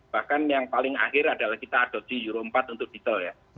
bahkan yang paling akhir adalah kita adopsi euro empat untuk detail ya